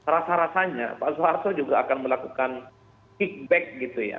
rasa rasanya pak soeharto juga akan melakukan kickback gitu ya